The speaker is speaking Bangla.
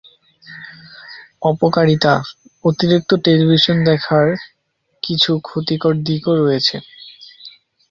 অপকারিতা: অতিরিক্ত টেলিভিশন দেখার কিছু ক্ষতিকর দিকও রয়েছে।